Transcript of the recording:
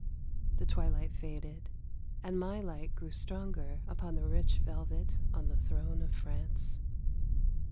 The twilight faded, and my light grew stronger upon the rich velvet on the throne of France.